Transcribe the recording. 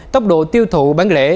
tốc độ tiêu thụ bán lễ